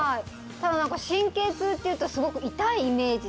ただ何か神経痛っていうとすごく痛いイメージ